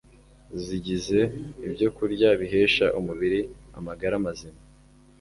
Zigize ibyokurya bihesha umubiri amagara mazima